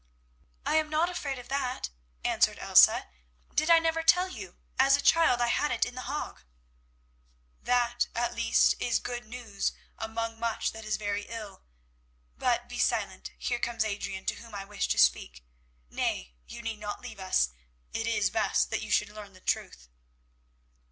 "I am not afraid of that," answered Elsa. "Did I never tell you? As a child I had it in The Hague." "That, at least, is good news among much that is very ill; but be silent, here comes Adrian, to whom I wish to speak. Nay, you need not leave us; it is best that you should learn the truth."